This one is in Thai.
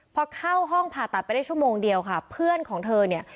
พอเข้าห้องผ่าตัดไปได้ชั่วโมงเดียวค่ะเพื่อนของเธอเนี่ย